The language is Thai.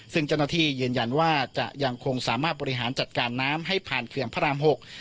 ซึ่งเจ้าหน้าที่ยืนยันว่าจะยังคงสามารถบริหารจัดการน้ำให้ผ่านเขื่อนพระราม๖